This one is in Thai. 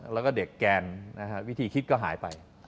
แล้วก็เด็กแกนวิธีคิดก็หายไป